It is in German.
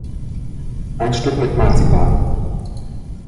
Ein Stück mit Marzipan.